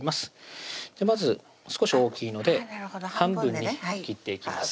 まず少し大きいので半分に切っていきます